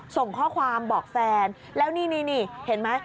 ส่งข้อความบอกแฟนแล้วนี่เห็นไหม